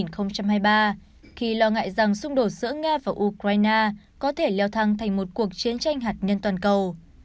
khi lo ngại rằng xung đột giữa nga và ukraine có thể leo thang thành một cuộc chiến tranh hạt nhân toàn cầu